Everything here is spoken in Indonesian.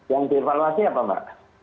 yang dievaluasi apa pak